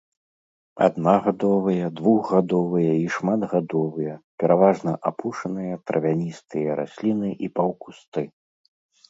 Аднагадовыя, двухгадовыя і шматгадовыя, пераважна апушаныя травяністыя расліны і паўкусты.